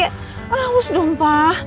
haus dong pak